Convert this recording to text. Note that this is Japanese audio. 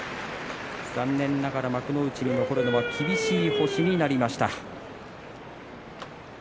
残念ながら幕内に残るのは厳しい星になりました。